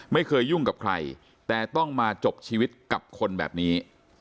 ไม่เคยยุ่งกับใครแต่ต้องมาจบชีวิตกับคนแบบนี้